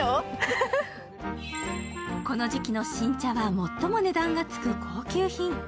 この時期の新茶は最も値段がつく高級品。